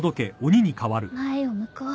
前を向こう。